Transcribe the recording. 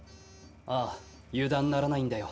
ああ油断ならないんだよ